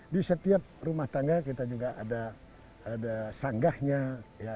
di setiap rumah tangga kita juga ada sanggahnya ya